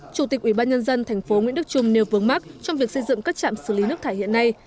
chủ tịch ủy ban nhân dân thành phố nguyễn đức trung nêu vướng mắc trong việc xây dựng các trạm xử lý nước thải hiện nay